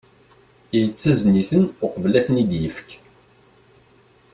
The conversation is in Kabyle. Yettazen-iten uqbel ad ten-id-yefk.